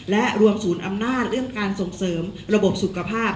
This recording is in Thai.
และรวมศูนย์อำนาจเรื่องการส่งเสริมระบบสุขภาพ